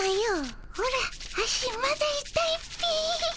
オラ足まだいたいっピィ。